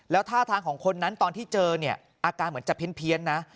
แล้วท่าทางของคนนั้นตอนที่เจอเนี่ยอาการเหมือนจะเพี้ยนนะ